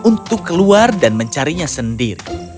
untuk keluar dan mencarinya sendiri